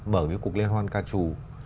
mở cái cuộc liên hoan ca trù